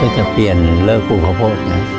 จะเปลี่ยนเลิกปลูกข้าวโพกนะ